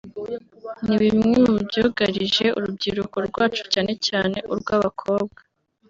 ni bimwe mu byugarije urubyiruko rwacu cyane cyane urw’abakobwa